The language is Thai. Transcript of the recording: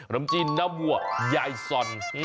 ลำจิ้นน้ำวัวยายส่อน